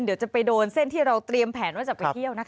เดี๋ยวจะไปโดนเส้นที่เราเตรียมแผนว่าจะไปเที่ยวนะคะ